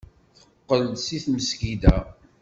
Teqqel-d seg tmesgida.